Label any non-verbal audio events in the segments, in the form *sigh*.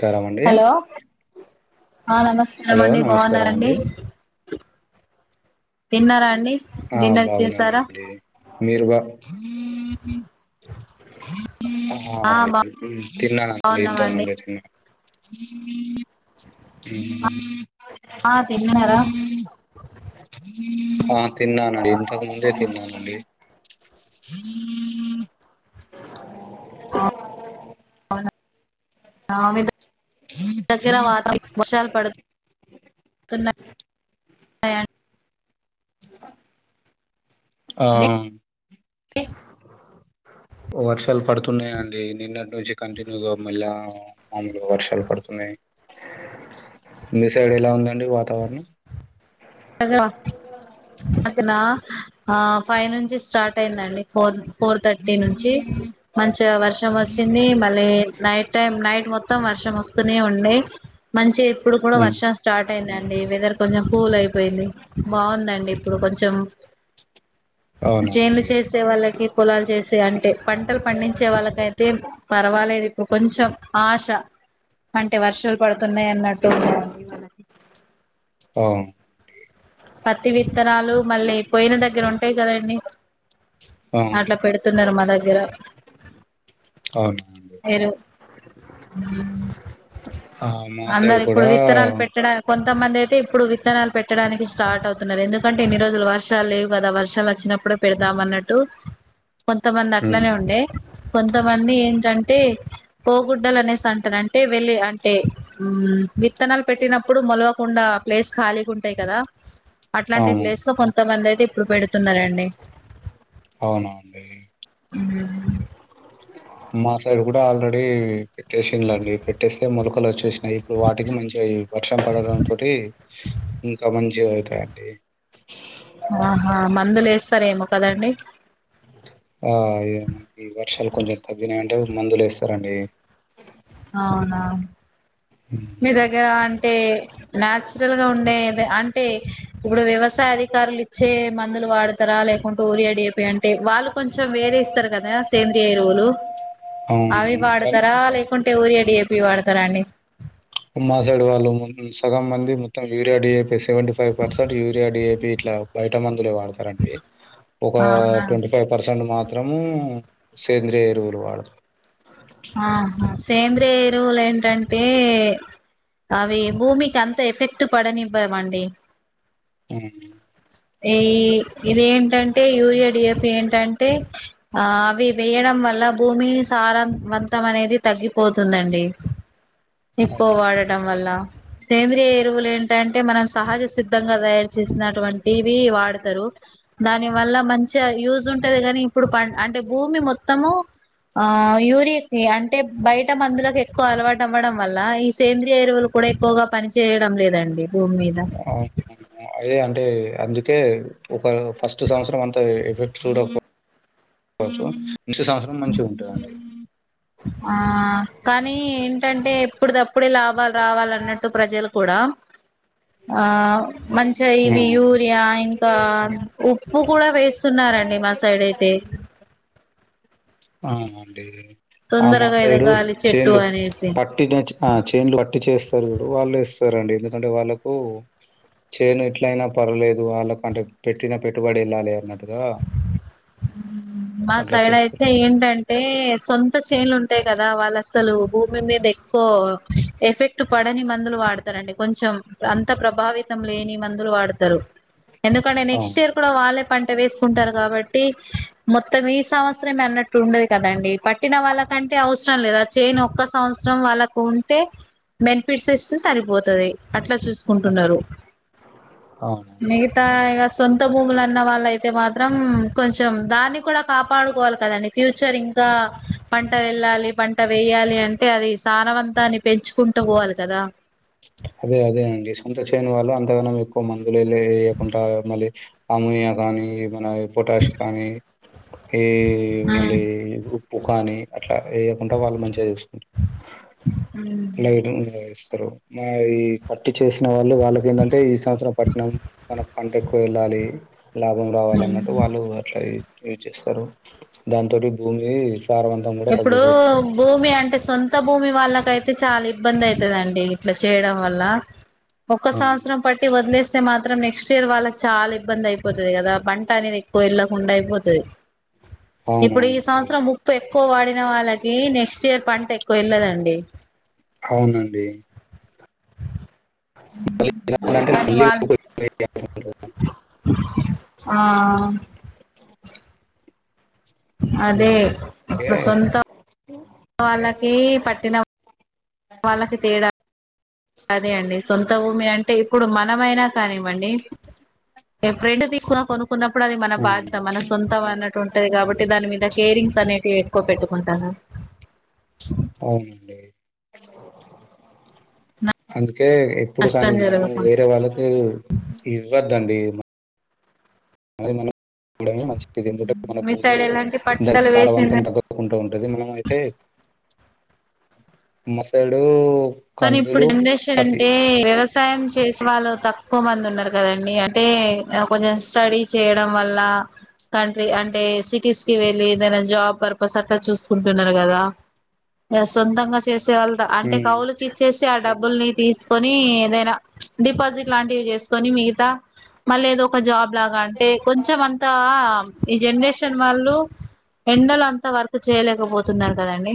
కారమండి hello ఆ నమస్కా మండి నమస్కారం బావున్నరండి అండి తిన్నార అండి అహా డిన్నర్ చేసారా బాగున్నానండి మీరుబ ఆ తిన్నానండి ఇంతహ్ బాగున్నామండి ముందే తిన్నా తీ ఆ తిన్యార ఆ తిన్నానండి ఇంతహు ముందే తిన్నానండి హ అవునా చగర వాత వర్షాలు పడు *inaudible* పడుతున్నాయండి ఆ ఎ ఓ వర్షాల్ పడుతున్నాయండి నిన్నట్నుంచి కంటిన్యూగ మళ్యా మామూలుగా వర్షాలు పడుతున్నాయి మీ సైడ్ ఎలా ఉందండి వాతావరణం అక్కన ఆ ఫైవ్ నుంచి స్టార్ట్ అయిందండి ఫోర్ ఫోర్ థర్టీ నుంచి మంచిగా వర్షం వచ్చింది మళ్ళీ నైట్ టైం నైట్ మొత్తం మొత్తం వర్షం వస్తూనే ఉంది మంచిగా ఇప్పుడు కూడా ఉమ్, వర్షం స్టార్ట్ అయిందండి వెదర్ కొంచెం కూల్ అయి పోయింది బాగుందండి ఇప్పుడు కొంచెం అవునా చేనులు అండి చేస్ చేసే వాళ్ళకి పొలాలు చేసే అంటే పంటలు పండించే వాళ్ళకైతే పర్వాలేదు ఇప్పుడు కొంచెం ఆశ అంటే వర్షాలు పడుతున్నాయన్నట్టు ఉన్నాయండి మనకి ఆ పత్తి విత్తనాలు మళ్ళీ పోయిన దగ్గర ఉంటాయి కదండి ఆ అట్లా పెడుతున్నారు మా దగ్గర అవును ఏరు ఆ మా సైడ్ అందరు ఇప్పుడు కూడా విత్తనాలు పెట్టడానికి కొంతమందయితే ఇప్పుడు విత్తనాలు పెట్టడానికి స్టార్ట్ అవుతున్నారు ఎందుకంటే ఇన్ని రోజులు వర్షాలు లేవు కదా వర్షాలు వచ్చినప్పుడే పెడదాం అన్నట్టు కొంతమంది ఉమ్, అట్లానే ఉండే కొంతమంది ఏంటంటే పోగుడ్డలనేసి అంటనంటే వెళ్ళి అంటే విత్తనాలు పెట్టినప్పుడు మొలవకుండా ప్లేస్ ఖాళీగా ఉంటాయి కదా అట్లాంటి అవును ప్లేస్ లో కొంతమందయితే ఇప్పుడు పెడుతున్నారండి అవునా అండి ఆ మా సైడ్ కూడా ఆల్రెడీ పెట్టేసిన్లండీ పెట్టేస్తే మొలకలు వచ్చేసినాయి ఇప్పుడు వాటికి మంచిగా వర్షం పడడం తోటి ఇంక మంచిగా అవుతాయండి ఆహా మందులేస్తారేమో కదండి ఆ ఈ వర్షాలు కొంచెం తగ్గినాయంటె మందులు వేస్తారండి అవునా మీ దగ్గర అంటే న్యాచురల్ గా ఉండేది అంటే ఇప్పుడు వ్యవసాయ అధికారులు ఇచ్చే మందులు వాడతారా లేకుంటే ఊరియా డీఏపీ అంటే వాళ్ళు కొంచెం వేరే చూశారు కదా సేంద్రియ ఎరువులు అవి అవునవును కానీ వాడతారా లే అంటే ఊరియా డిఏపీ వాడతారా అండి మా సైడ్ వాళ్ళు సగం మంది మొత్తం urea DAP seventy five percent urea DAP ఇట్ల బయట మందులే వాడతారన్ కే ఒగా అవునా ట్వంటీ ఫైవ్ పర్సెంట్ మాత్రము సేంద్రియ ఎరువులు వాడతాం ఆహా సేంద్రయ ఎరువులు ఏంటంటే అవి భూమికి అంత ఎఫెక్ట్ పడనివ్వవండి మ్మ్ ఈ ఇదేంటంటే యూరియా డిఏపి ఏంటంటే ఆ అవి వేయడం వల్ల భూమి సారం మొత్తం అనేది తగ్గిపోతుందండి ఎక్కువ అవును వాడటం వల్ల సేంద్రియ ఎరువులు ఏంటంటే మనం సహజ సిద్ధంగా తయారు చేసినటువంటివి వాడతారు దాని వల్ల మంచిగ యూజ్ ఉంటది కాని ఇప్పుడు ప అంటే భూమి మొత్తము ఆయు అంటే బయట మందులకు ఎక్కువ అలవాటు అవ్వడం వల్ల ఈ సేంద్రియ ఎరువులు కూడా ఎక్కువగా పని చేయడం లేదండి భూమి మీద ఆ అదే అంటే అందుకే ఒక ఫస్ట్ సంవత్సరం అంత ఎఫెక్ట్ చూడక వోచ్చు ఇంకో సంవత్సరం మంచిగా ఉంటాదండి ఆ కానీ ఏంటంటే ఎప్పుడుది అప్పు అప్పుడే లాభాలు రావాలన్నట్టు ప్రజలు కూడా ఆ మంచిగా ఇవి యూరియా ఇంకా ఉప్పు కూడా వేస్తున్నారండి మా సైడ్ అయితే అవునండి ఆ మా తొందరగా సైడు ఎదగాలి చెట్టు చేన్లు అనేసి ప ఆ చేన్లు వట్టి చేస్తారు చూడు వాళ్ళు యేస్తారండి ఎందుకంటే వాళ్ళలకు చేను ఎట్లయినా పర్లేదు వాళ్ళకంటే పెట్టిన పెట్టుబడి యేళ్ళాలి అన్నట్టుగా మా అట్లా సైడ్ చేస్తారు అయితే ఏంటంటే సొంత చేనులు ఉంటాయి కదా వాళ్ళ అసలు భూమి మీద ఎక్కువ ఎఫెక్ట్ పడని మందులు వాడతారండి కొంచెం అంత ప్రభావి ఇష్టం లేని మందులు వాడతారు ఎందుకంటే నెక్స్ట్ అవును ఇయర్ కూడా వాళ్ళే పంట వేసుకుంటారు కాబట్టి మొత్తం ఈ సంవత్సరమే అన్నట్టు ఉండదు కదండి పట్టిన వాళ్ళకంటే అవసరం లేదా చేను ఒక్క సంవత్సరం వాళ్ళకు ఉంటే బెనిఫిట్స్ ఇస్తే సరిపోతాది అట్లా అవును చూసుకుంటున్నారు అవునండి మిగతా ఇక సొంత భూములు అన్న వాళ్ళు అయితే మాత్రం కొంచెం దాన్ని కూడా కాపాడుకోవాలి కదండి ఫ్యూచర్ ఇంకా పంట వెళ్ళాలి పంట పంట వేయాలి అంటే అది సారవంతాన్ని పెంచుకుంటూ పోవాలి కదా అదే అదే అండి సొంత చేను వాళ్ళు అంతగానం ఎక్కువ మందులు వేయకుండా మళ్ళీ అమ్మోనియా కానీ ఏమన్నా పొటాష కానీ ఈ మళ్ళీ ఉప్పు కాని అట్లా వేయకుండా వాళ్ళు మంచిగా చూసుకుంటారు లైటింగ్ ముందుగా యేస్తారు మరి ఈ పట్టు చేసిన వాళ్ళు వాళ్ళకి ఏందంటే ఈ సంవత్సరం పట్నం వాళ్ళకు పంట ఎక్కువ వెళ్ళాలి లాభం రావాలన్నట్టు వాళ్ళు అట్లా యూజ్ చేస్తారు దాంతోటి భూమి సార్వం ఇప్పుడు భూమి అంటే సొం సొంత భూమి వాళ్ళకు అయితే చాలా ఇబ్బంది అయీతాది అండి ఇట్లా చేయడం వల్ల ఒక్క ఆ! సంవత్సరం పట్టి వదిలేస్తే మాత్రం నెక్స్ట్ ఇయర్ వాళ్ళకి చాలా ఇబ్బంది అయి పోతాది కదా పంట అనేది ఎక్కువ వెళ్ళకుండా అయిపోతాది ఇప్పుడు ఈ అవునవునండి సంవత్సరం ముప్పై ఇక్కువ వాడిన వాళ్ళకి నెక్స్ట్ ఇయర్ పంట ఎక్కువ వెళ్ళదండి అవునండి మళ్ళీ వినాలంటే కాని మళ్ళీ వాళ్ళు ఆ *inaudible* హ్మ్. అదే ఇప్పుడు అందుకే సొంత వాళ్ళకి పట్టిన వాళ్ళకి తేడా అదే అండి సొంత భూమి అంటే ఇప్పుడు మనమైనా కానివ్వండి ఏ ఫ్రెండ్ *unintelligible* తీసుకు కొనుకున్నప్పుడు అది మన అవును బాధ్యత మన సొంతం అన్నట్ అట్లుంటది కాబట్టి దాని మీద కేరింగ్స్ అనేటివి ఎక్కువ పెట్టుకుంటాన అవునండి అందుకే ఎప్పుడు నష్టం కానీ మనం జరగకుండా వేరే వాళ్ళకి ఇవ్వద్దండి అదే మనం భూమి మంచిది *unintelligible* మీ భూమి సైడ్ ఎలాంటి దాని పట్టుదల సారవంతం వేసింది తగ్గు కుంటూ ఉంటుది మనం అయితే మా సైడు కానీ ఇప్పుడు కందులు జనరేషన్ పత్తి అంటే వ్యవసాయం చేసే వాళ్ళు తక్కువ మంది ఉన్నారు కదండి అంటే కొంచెం స్టడీ చేయడం వల్ల కంట్రీ అంటే సిటీస్ కి వెళ్ళి ఏదైనా జాబ్ పర్పస్ అట్లా చూసుకుంటున్నారు కదా యా సొంతంగా చేసేవాళ్ళ అంటే ఉమ్, కవులు చేసి ఆ డబ్బుల్ని తీసుకొని ఏదైనా డిపాజిట్ లాంటివి చేసుకొని మిగతా మళ్ళీ ఏదో ఒక జాబ్ లాగా అంటే కొంచెం అంతా ఈ జనరేషన్ వాళ్ళు ఎండలు అంతా వర్క్ చేయలేకపోతున్నారు కదండి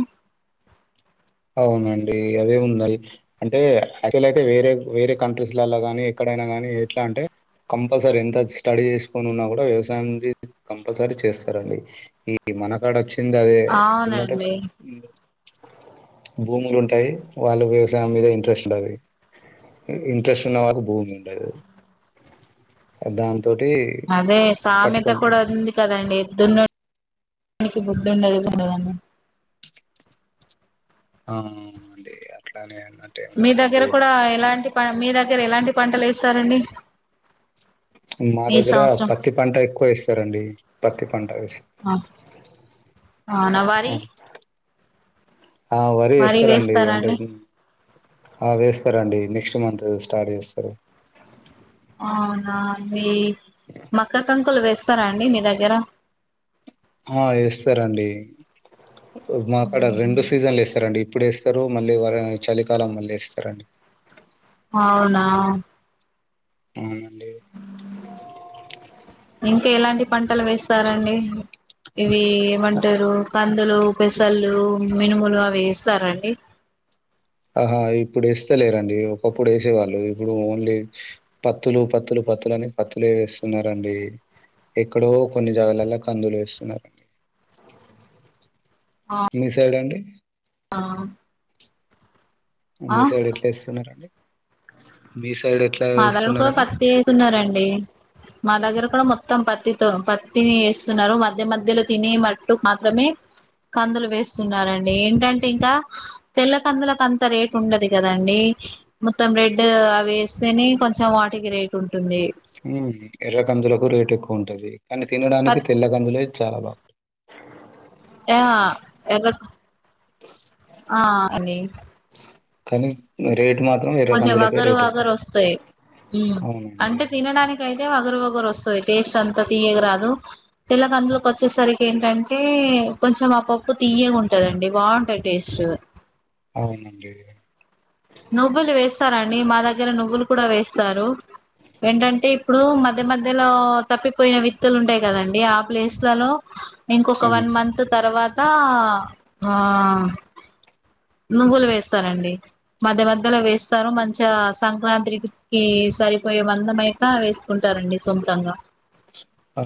అవునండి అదే ఉన్నాయి అంటే యాక్చువల్ అయితే వేరే వేరే కంట్రీస్ లల్లా గాని ఎక్కడైనా గానీ ఎట్లా అంటే కంపల్సరీ ఎంత స్టడీ చేసుకొని ఉన్నా కూడా వ్యవసాయంది కంపల్సరీ చేస్తారండి ఈ మన కాడ వచ్చింది అదే ఏంటంటే అవునండి భూములు ఉంటాయి వాళ్ళకు వ్యవసాయం మీద ఇంట్రెస్ట్ ఉంటది ఇంట్రెస్ట్ ఉన్న వాళ్లకు భూమి ఉండదు దాంతోటి అదే సామెత పట్టుకొని కూడా ఉంది కదండి దున్నే వానికి బుద్ధి ఉండదండి కదా అని అవును అండి అట్లనే మీ దగ్గర కూడా ఎలాంటి ప మీ దగ్గర ఎలాంటి పంటలు ఏస్తారండి మా దగ్గర పత్తి పంట ఎక్కువ ఏస్తారండి పత్తి పంట వేస్తరు ఔనా వరి ఆ వరీ వరి ఏస్తారండి వేస్తారా అంటే అండి ఆ వేస్తారండి నెక్స్ట్ మంత్ స్టార్ట్ చేస్తారు అవునా అండీ మొక్క కంకులు వేస్తారా అండి మీ దగ్గర ఆ ఏస్తారండి మా కాడ రెండు సీజన్లు ఏస్తారండి ఇప్పుడేస్తారు మళ్ళీ వర చలికాలంలో మళ్ళీ ఏస్తారండి అవునా అవునండి ఇంకా ఎలాంటి పంటలు వేస్తారండి ఇవి ఏమంటారు కం కందులు పెసళ్ళు మినుములు అవి ఏస్తారా అండి ఆహా ఇప్పుడు వేస్తలేరండి ఒకప్పుడు వేసేవాళ్ళు ఇప్పుడు ఓన్లీ పత్తులు పత్తులు పత్తుల అని పత్తులే వేస్తున్నారండి ఎక్కడో కొన్ని జాగలల్లో కందులు ఏస్తున్నారు *inaudible* మీ సైడ్ అండి ఆ మీ ఆ సైడ్ ఎట్లా వేస్తున్నారండి మీ సైడ్ ఎట్లా మాదలు కూడా ఏస్తున్నారండి? పత్తేసున్నారండి మా దగ్గర కూడా మొత్తం పత్తితో పత్తిని ఏస్తున్నారు మధ్య మధ్యలో తినే మట్టుకు మాత్రమే కందులు వేస్తున్నారండి ఏంటంటే ఇంకా తెల్ల కందులకు అంత రేటు ఉండదు కదండి మొత్తం రెడ్ అవి వేస్తేనే కొంచెం వాటికి రేట్ ఉంటుంది ఎర్ర కందులకు రేటు ఎక్కువ ఉంటది కానీ తినడానికి పత్ తెల్ల కందులే చాలా బాగుంటాయి ఆ ఎర్ర కం ఆ అండి కానీ రేట్ మాత్రం ఎర్ర కొంచెం కందులకే వగరు రేట్ ఎక్కువ. వగరు వస్తాయి హ్మ్ అవునండి. అంటే తినడానికి కయితే వగరు వగరు వస్తది టేస్ట్ అంతా తీయగరాదు తెల్ల కందులు కొచ్చేసరికి ఏంటంటే కొంచెం ఆ పప్పు తీయగా ఉంటందండి బాగుంటాయి టేస్ట్ అవునండి నువ్వులు వేస్తారా అండి మా దగ్గర నువ్వులు కూడా వేస్తారు ఏంటంటే ఇప్పుడు మధ్య మధ్యలో తప్పిపోయిన విత్తులు ఉంటాయి కదండి ఆ ప్లేస్లలో ఇంకొక అవును. వన్ మంత్ తర్వాత ఆ నువ్వులు వేస్తారండి మధ్య మధ్యలో వేస్తారు మంచిగా సంక్రాంతికి సరిపోయే మందమై నా వేసుకుంటారండి సొంతంగా ఆ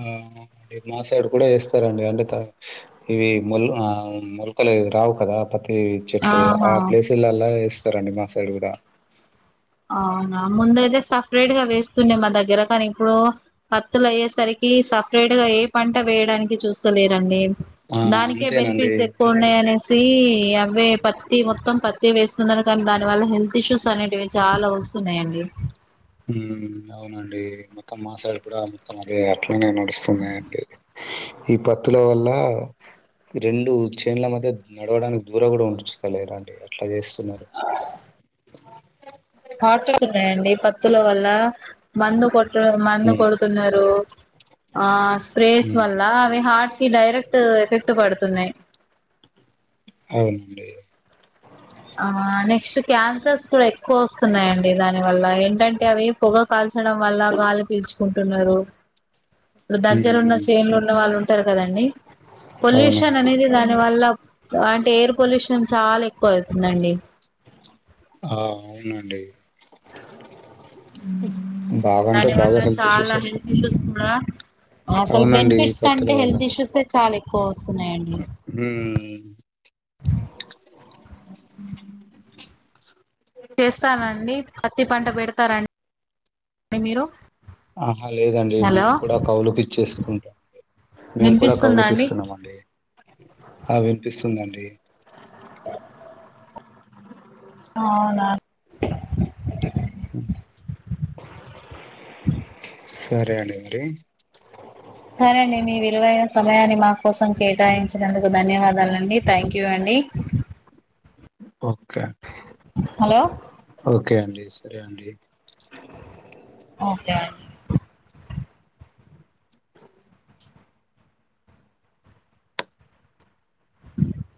మాసైడు కూడా ఏస్తారండి అంటే త ఇవి మొల్ ఆ మొలకలు రావు కదా పత్తి చెట్లు ఆహా ఆ ప్లేసులల్లా ఏస్తారండి మా సైడ్ కూడా అవునా ముందు అయితే సపరేట్ గా వేస్తుండే మా దగ్గర కానీ ఇప్పుడు పత్తులయ్యేసరికి సపరేట్ గా ఏ పంట వేయడానికి చూస్తలేరండి ఆ దానికే అంతేనండి బెనిఫిట్స్ ఎక్కువ ఉన్నాయనేసి అవే ప త్తి మొత్తం పత్తి వేస్తున్నారు కానీ దాని వల్ల హెల్త్ ఇష్యూస్ అనేటివివి చాలా వస్తున్నాయండి మ్మ్ అవునండి మొత్తం మా సైడ్ కూడా మొత్తం అదే అట్లనే నడుస్తున్నాయండి ఈ పత్తుల వల్ల రెండు చేన్ల మధ్య నడవడానికి దూరం కూడా ఉంచుత లేరండి ఎట్లా చేస్తున్నారు పాటడున్నాయండి పత్తుల వల్ల మందు కొ ట్టడం మందు ఉమ్ కొడుతున్నారు ఆ స్ప్రేస్ ఉమ్ వల్ల అవి హార్ట్ కి డైరెక్ట్ క్ట్ ఎఫెక్ట్ పడుతున్నాయి అవునండి ఆ నెక్స్ట్ క్యాన్సర్స్ కూడా ఎక్కువొస్త్ స్తున్నాయండి దాని వల్ల ఏంటంటే అవి పొగ కాల్చడం వల్ల గాలి పీల్చుకుంటున్నారు ఉమ్ దగ్గరున్న ఉమ్ సేన్లు ఉన్న వాళ్ళు ఉంటారు కదండి పొల్యూషన్ అవునండి అనేది దాని వల్ల అంటే ఎయిర్ పొల్యూషన్ చాలా ఎక్కువ అయితుందండి ఆ అవునండి బాగా అంటే దాని బాగా వల్ల హెల్త్ చాలా ఇష్యూస్ వస్తున్నాయి హెల్త్ అసలు బెనిఫిట్స్ పత్తుల కంటే వల్ల హెల్త్ ఇష్యూస్ ఏ చాలా ఎక్కువ వస్తున్నాయండి మ్మ్ చేస్తారండి పత్తి పంట పెడతార అండి మీరు ఆహా లేదండి హలో మేము కూడా కౌలుకి ఇచ్చేసుకుంటాం మేము కూడా వినిపిస్తుందా కౌలుకి అండి ఇస్తున్నామండి ఆ వినిపిస్తుందండి అవునా సరే అండి మరి సరే అండి మీ విలువైన సమయాన్ని మా కోసం కేటాయించినందుకు ధన్యవాదాలండి థ్యాంక్ యూ అండి ఓకేే కే హలో ఓకే అండి సరే అండి ఓకే అండి